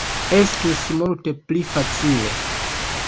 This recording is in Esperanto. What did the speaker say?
Estus multe pli facile.